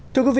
thưa quý vị